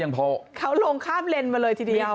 เขาลงข้ามเลนมาเลยทีเดียว